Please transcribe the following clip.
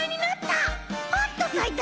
パッとさいたよ！